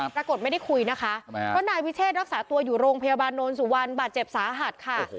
ปรากฏไม่ได้คุยนะคะเพราะนายวิเชษรักษาตัวอยู่โรงพยาบาลโนนสุวรรณบาดเจ็บสาหัสค่ะ